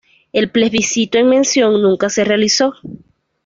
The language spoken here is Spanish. El plebiscito en mención, nunca se realizó.